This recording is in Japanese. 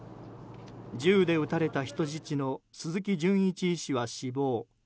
銃で撃たれた人質の鈴木純一医師は死亡。